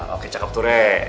oke cakep tuh re